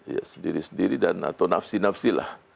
ya sendiri sendiri dan atau nafsi nafsi lah